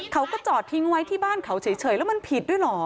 เขาก็จอดทิ้งไว้ที่บ้านเขาเฉยแล้วมันผิดด้วยเหรอ